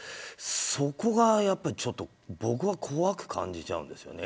そこが僕は怖く感じちゃうんですよね。